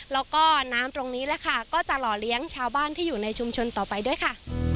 แล้วก็น้ำตรงนี้แหละค่ะก็จะหล่อเลี้ยงชาวบ้านที่อยู่ในชุมชนต่อไปด้วยค่ะ